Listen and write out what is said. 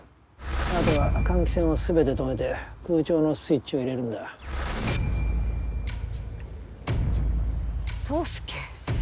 あとは換気扇をすべて止めて空調のスイッチを入れるんだ宗介